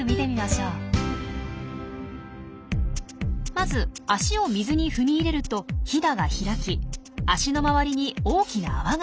まず足を水に踏み入れるとヒダが開き足の周りに大きな泡が出来ます。